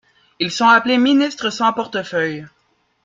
Ils sont appelés ministres sans portefeuille.